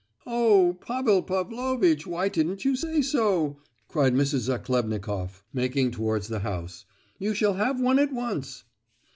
"Oh, Pavel Pavlovitch, why didn't you say so?" cried Mrs. Zachlebnikoff, making towards the house; "you shall have one at once."